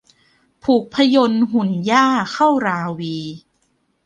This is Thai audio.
ผูกพยนต์หุ่นหญ้าเข้าราวี